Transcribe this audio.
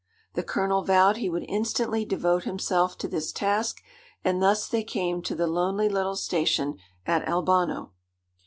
The Colonel vowed he would instantly devote himself to this task, and thus they came to the lonely little station at Albano.